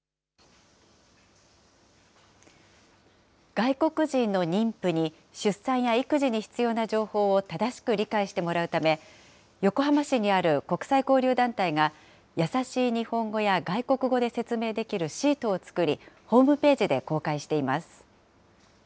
外国人の妊婦に、出産や育児に必要な情報を正しく理解してもらうため、横浜市にある国際交流団体が、やさしい日本語や外国語で説明できるシートを作り、ホームページで公開しています。